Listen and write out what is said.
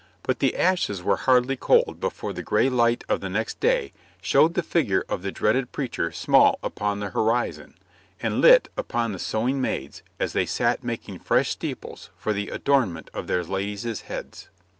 But the ashes were hardly cold before the gray light of the next day showed the figure of the dreaded preacher small upon the horizon, and lit upon the sewing maids as they sat making fresh steeples for the adornment of their ladies' heads.